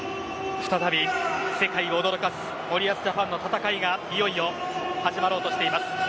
再び世界を驚かす森保ジャパンの戦いがいよいよ始まろうとしています。